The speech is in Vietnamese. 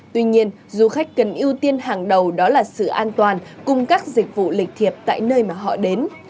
tuy nhiên du khách cần ưu tiên hàng đầu đó là sự an toàn cùng các dịch vụ lịch thiệp tại nơi mà họ đến